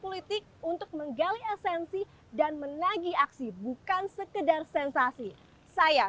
politik untuk menggali esensi dan menagi aksi bukan sekedar sensasi saya